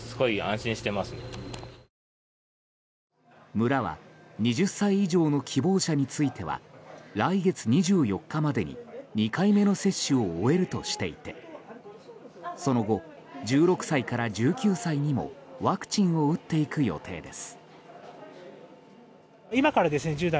村は２０歳以上の希望者については来月２４日までに２回目の接種を終えるとしていてその後、１６歳から１９歳にもワクチンを打っていく予定です。